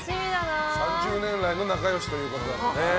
３０年来の仲良しということです。